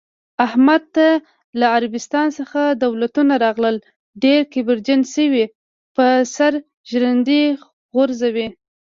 احمد ته له عربستان څخه دولتونه راغلل، ډېر کبرجن شوی، په سر ژرندې ګرځوی.